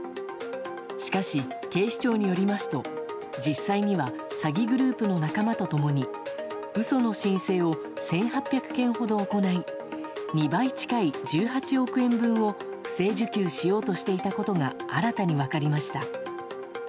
しかし、警視庁によりますと実際には詐欺グループの仲間と共に嘘の申請を１８００件ほど行い２倍近い１８億円分を不正受給していたことが新たに分かりました。